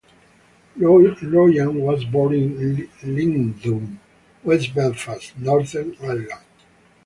Rogan was born in Lenadoon, west Belfast, Northern Ireland.